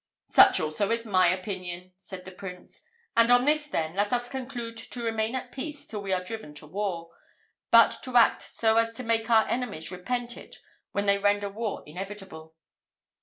"Such also is my opinion," said the Prince; "and on this, then, let us conclude to remain at peace till we are driven to war, but to act so as to make our enemies repent it when they render war inevitable."